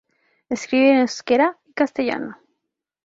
Escribe en euskera y castellano.